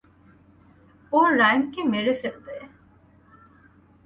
ও রাইমকে মেরে ফেলবে।